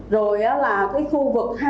rồi là khu vực hai